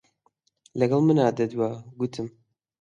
لەگەڵ منا دەدوا، گوتم: